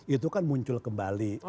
itu kan muncul kembali